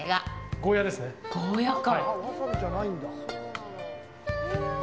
ゴーヤか。